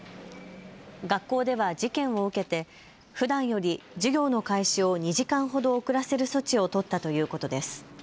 学校では事件を受けてふだんより授業の開始を２時間ほど遅らせる措置を取ったということです。